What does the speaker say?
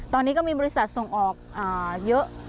ตอนนี้ก็มีบริษัทส่งออกเยอะ